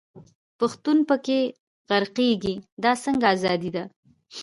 پښتون په کښي غرقېږي، دا څنګه ازادي ده.